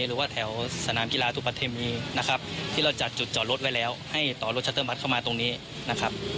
หรือว่าแถวสนามกีฬาตุปะเทมีนะครับที่เราจัดจุดจอดรถไว้แล้วให้ต่อรถชัตเตอร์บัตรเข้ามาตรงนี้นะครับ